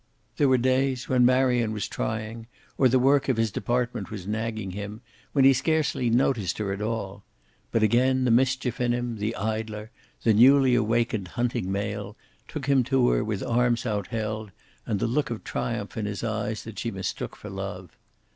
There were days, when Marion was trying, or the work of his department was nagging him, when he scarcely noticed her at all. But again the mischief in him, the idler, the newly awakened hunting male, took him to her with arms outheld and the look of triumph in his eyes that she mistook for love.